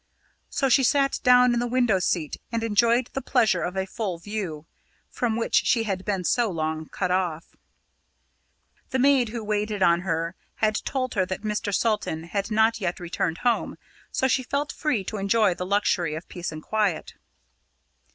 So she sat down in the window seat and enjoyed the pleasure of a full view, from which she had been so long cut off. The maid who waited on her had told her that Mr. Salton had not yet returned home, so she felt free to enjoy the luxury of peace and quiet.